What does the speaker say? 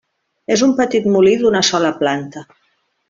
És un petit molí d'una sola planta.